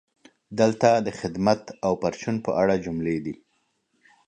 دلته د "خدمت او پرچون" په اړه جملې دي: